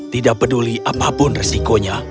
tidak peduli apapun resikonya